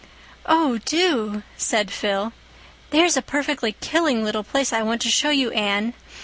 "Oh, do," said Phil. "There's a perfectly killing little place I want to show you, Anne.